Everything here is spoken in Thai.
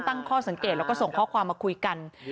ตั้งข้อสังเกตแล้วก็ส่งข้อความมาคุยกัน